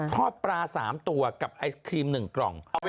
ทอดปลา๓ตัวกับไอศครีม๑กล่อง